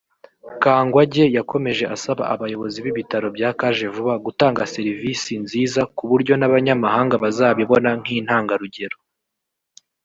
Kangwagye yakomeje asaba abayobozi b’ibitaro bya Kajevuba gutanga serivisi nziza ku buryo n’abanyamahanga bazabibona nk’intagarugero